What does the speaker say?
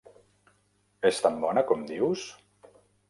És tan bona com dius?